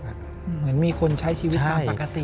เหมือนมีคนใช้ชีวิตตามปกติ